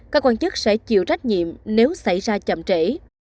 các quan chức sẽ chịu trách nhiệm nếu xảy ra chậm trễ